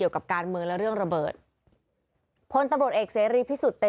และความสุขของคุณค่ะ